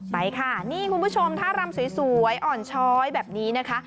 ไปค่ะนี่คุณผู้ชมท่ารำสวยอ่อนช้อยแบบนี้นะคะ